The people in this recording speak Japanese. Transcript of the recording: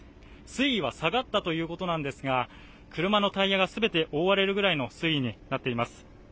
水位は下がったということなんですが車のタイヤがすべて覆われるぐらいの水位になっています